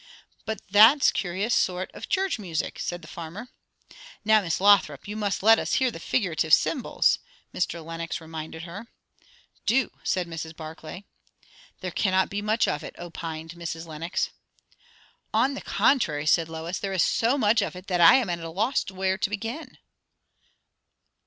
"But that's cur'ous sort o' church music!" said the farmer. "Now, Miss Lothrop, you must let us hear the figurative cymbals," Mr. Lenox reminded her. "Do!" said Mrs. Barclay. "There cannot be much of it," opined Mrs. Lenox. "On the contrary," said Lois; "there is so much of it that I am at a loss where to begin.